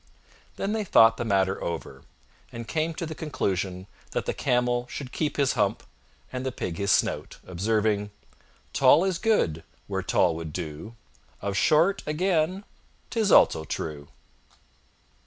Then they thought the matter over and came to the conclusion that the Camel should keep his hump and the Pig his snout, observing, "Tall is good, where tall would do; of short, again, 'tis also true!"